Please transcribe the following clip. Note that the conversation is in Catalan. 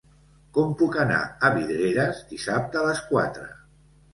Com puc anar a Vidreres dissabte a les quatre?